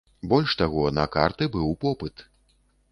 Больш таго, на карты быў попыт.